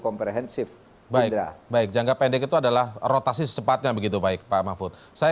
komprehensif baik baik jangka pendek itu adalah rotasi secepatnya begitu baik pak mahfud saya